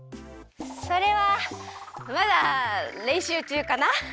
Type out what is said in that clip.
それはまだれんしゅうちゅうかな。